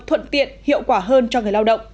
thuận tiện hiệu quả hơn cho người lao động